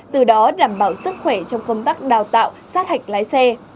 từ đó đảm bảo sức khỏe trong công tác đào tạo sát hạch lái xe